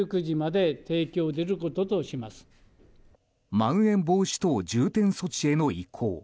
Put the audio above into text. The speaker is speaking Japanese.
まん延防止等重点措置への移行。